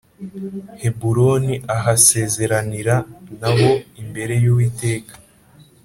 Heburoni ahasezeranira na bo imbere y Uwiteka